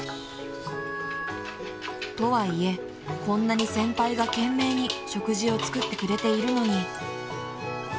［とはいえこんなに先輩が懸命に食事を作ってくれているのに］